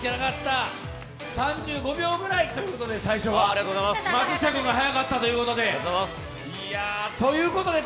３５秒ぐらいということで、最初は松下君が速かったということで。